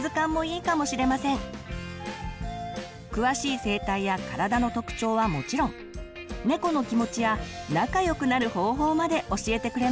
詳しい生態や体の特徴はもちろんねこの気持ちや仲良くなる方法まで教えてくれます。